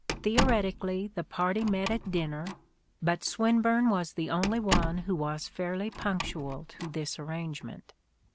Theoretically the party met at dinner : but Swinburne was the only one who was fairly punctual to this arrangement.